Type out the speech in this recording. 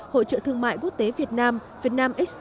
hội trợ thương mại quốc tế việt nam việt nam expo hai nghìn một mươi bảy